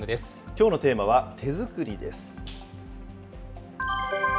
きょうのテーマは手作りです。